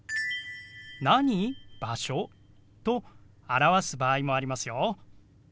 「何場所？」と表す場合もありますよ。